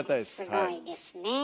すごいですねえ。